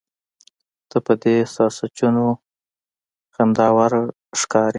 ته په دې ساسچنو خنداوړه ښکارې.